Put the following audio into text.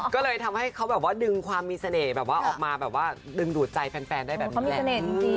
ก็เลยทำให้เขาแบบว่าดึงความมีเสน่ห์แบบว่าออกมาแบบว่าดึงดูดใจแฟนได้แบบนี้แหละ